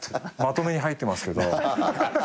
まとめに入ってますけど。